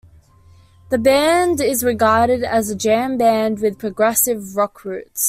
The band is regarded as a jam-band with progressive rock roots.